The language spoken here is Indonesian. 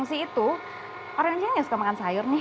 itu orang indonesia yang suka makan sayur nih